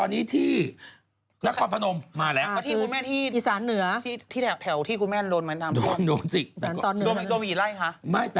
มีตัววิไล่คะ